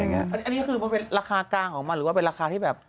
อันนี้คือมันเป็นราคากลางของมันหรือว่าเป็นราคาที่แบบ